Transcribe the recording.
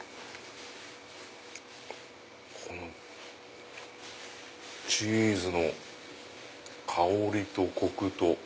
このチーズの香りとコクと。